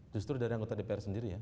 justru dari anggota dpr sendiri ya